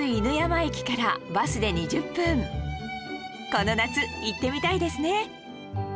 この夏行ってみたいですね